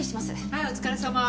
はいお疲れさま。